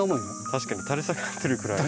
確かに垂れ下がってるぐらい。